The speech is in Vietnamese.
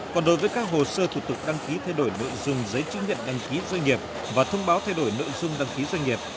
còn đối với các hồ sơ thủ tục đăng ký thay đổi nội dung giấy chứng nhận đăng ký doanh nghiệp và thông báo thay đổi nội dung đăng ký doanh nghiệp